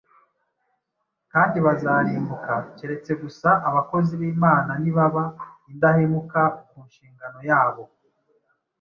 kandi bazarimbuka keretse gusa abakozi b’Imana nibaba indahemuka ku nshingano yabo